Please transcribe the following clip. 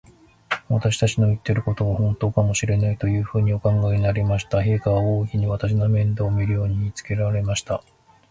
私たちの言ってることが、ほんとかもしれない、というふうにお考えになりました。陛下は王妃に、私の面倒をよくみるように言いつけられました。